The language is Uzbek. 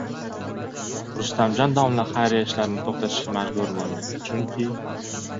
Rustamjon domla xayriya ishlarini to‘xtatishga majbur bo‘ldi, chunki...